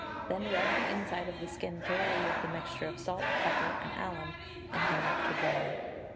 Then rub the inside of the skin thoroughly with the mixture of salt, pepper, and alum, and hang up to dry.